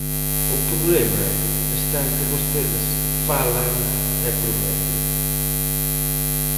O problema está en que vostedes falan e prometen.